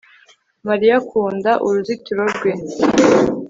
Mariya akunda uruzitiro rwe